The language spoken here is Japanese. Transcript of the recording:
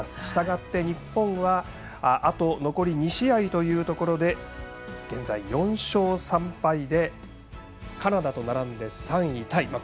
したがって、日本はあと残り２試合というところで現在４勝３敗でカナダと並んで３位タイ。